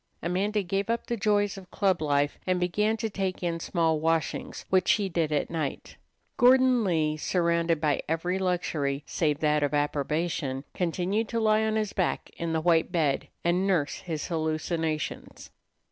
Amanda gave up the joys of club life, and began to take in small washings, which she did at night. Gordon Lee, surrounded by every luxury save that of approbation, continued to lie on his back in the white bed and nurse his hallucinations.